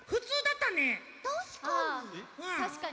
たしかに！